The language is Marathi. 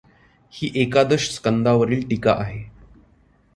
ही एकादश स्कंदावरील टीका आहे.